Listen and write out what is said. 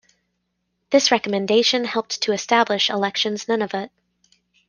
This recommendation helped to establish Elections Nunavut.